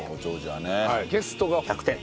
「ゲストが」１００点。